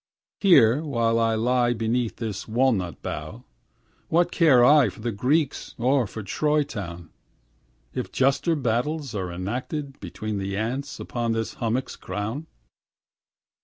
Here while I lie beneath this walnut bough, What care I for the Greeks or for Troy town, If juster battles are enacted now Between the ants upon this hummock's crown?